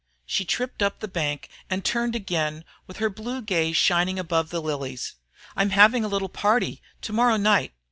She tripped up the bank and turned again with her blue gaze shining above the lilies. "I'm having a little party to morrow night.